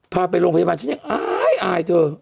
พาไปโรงพยาบาลฉันยังอายอายเธอ